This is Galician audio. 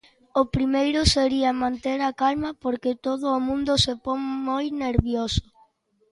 O primeiro sería manter a calma, porque todo o mundo se pon moi nervioso.